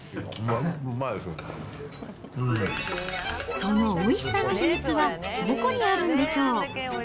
そのおいしさの秘密はどこにあるんでしょう？